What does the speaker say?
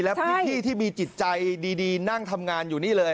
และพี่ที่มีจิตใจดีนั่งทำงานอยู่นี่เลย